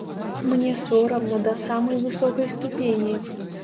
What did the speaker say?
Мне сорамна да самай высокай ступені.